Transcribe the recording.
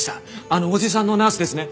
あのおじさんのナースですね。